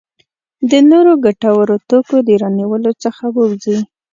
د نورو ګټورو توکو د رانیولو څخه ووځي.